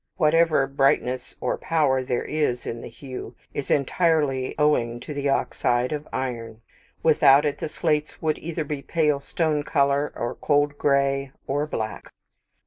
Whatever brightness or power there is in the hue is entirely owing to the oxide of iron. Without it the slates would either be pale stone colour, or cold gray, or black.